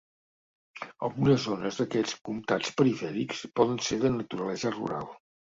Algunes zones d'aquests comptats perifèrics poden ser de naturalesa rural.